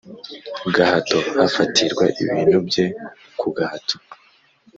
gahato hafatirwa ibintu bye ku gahato